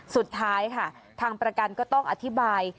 สุดท้ายค่ะทางประกันก็ต้องอธิบาย